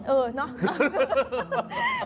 เออเนอะ